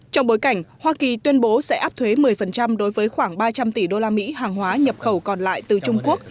trong bối cảnh hoa kỳ tuyên bố sẽ áp thuế một mươi đối với khoảng ba trăm linh tỷ usd hàng hóa nhập khẩu còn lại từ trung quốc